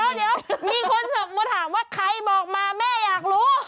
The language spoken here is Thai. เดี๋ยวมีคนส่งมาถามว่าใครบอกมาแม่อยากรู้